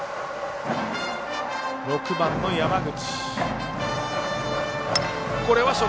６番の山口。